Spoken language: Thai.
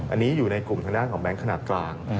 อันนี้อยู่ในกลุ่มทางด้านของแบงค์ขนาดกลาง